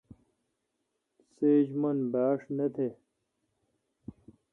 سیچ من ۔بھاش نہ تہ۔